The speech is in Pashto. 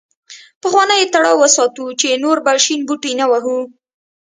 پخوانۍ تړه وساتو چې نور به شین بوټی نه وهو.